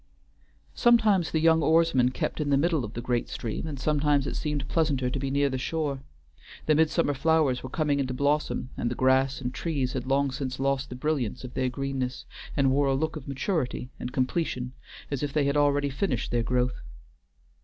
Sometimes the young oarsman kept in the middle of the great stream, and sometimes it seemed pleasanter to be near the shore. The midsummer flowers were coming into blossom, and the grass and trees had long since lost the brilliance of their greenness, and wore a look of maturity and completion, as if they had already finished their growth.